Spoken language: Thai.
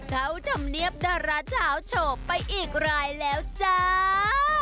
เข้าธรรมเนียบดาราชาวโชว์ไปอีกรายแล้วจ้า